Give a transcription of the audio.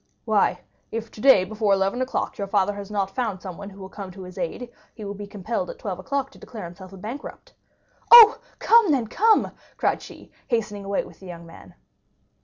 "Why, if today before eleven o'clock your father has not found someone who will come to his aid, he will be compelled at twelve o'clock to declare himself a bankrupt." "Oh, come, then, come!" cried she, hastening away with the young man.